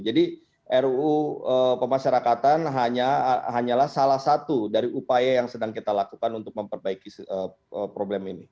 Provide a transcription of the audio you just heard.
jadi ru pemasyarakatan hanyalah salah satu dari upaya yang sedang kita lakukan untuk memperbaiki problem ini